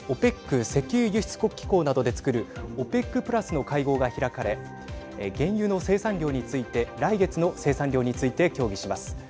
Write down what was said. ＯＰＥＣ＝石油輸出国機構などでつくるＯＰＥＣプラスの会合が開かれ原油の生産量について来月の生産量について協議します。